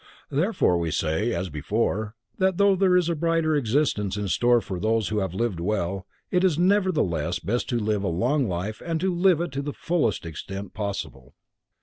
Therefore we say, as before, that though there is a brighter existence in store for those who have lived well, it is nevertheless best to live a long life and to live it to the fullest extent possible.